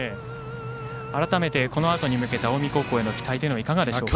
改めて、このあとに向けた近江高校への期待いかがでしょうか。